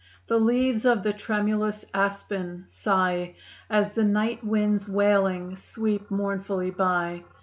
The leaves of the tremulous aspen sigh As the night winds, wailing, sweep mournfully by.